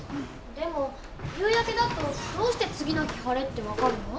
でも夕焼けだとどうして次の日晴れって分かるの？